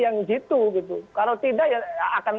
yang jitu kalau tidak